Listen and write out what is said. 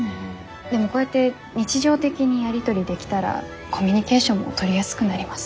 でもこうやって日常的にやり取りできたらコミュニケーションも取りやすくなります。